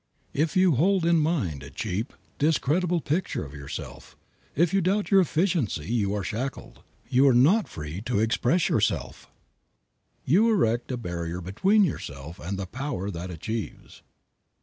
If you hold in mind a cheap, discreditable picture of yourself; if you doubt your efficiency you are shackled, you are not free to express yourself. You erect a barrier between yourself and the power that achieves.